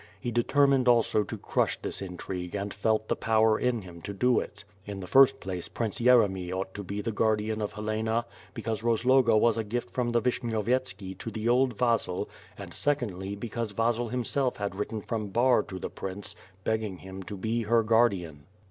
He determined also to crush this intrigue and felt the power in him to do it. In the first place Prince Yeremy ought to be the guardian of Helena because Rozloga was a gift from the Vishnyovyetski to the old Vasil and secondly because Vasil himself had written from Bar to the Prince begging him to be her guardian.